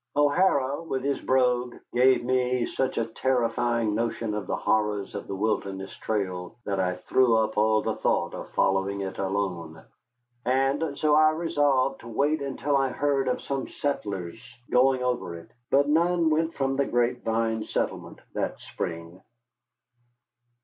O'Hara, with his brogue, gave me such a terrifying notion of the horrors of the Wilderness Trail that I threw up all thought of following it alone, and so I resolved to wait until I heard of some settlers going over it. But none went from the Grape Vine settlement that spring.